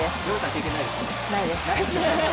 経験はないです。